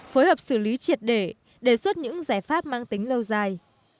phối hợp xử lý triệt đề đề xuất những giải pháp mang tính lâu dài